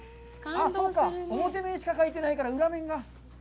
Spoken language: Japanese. そうか表面しか描いてないから。